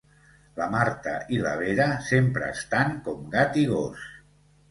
La Marta i la Vera sempre estan com gat i gos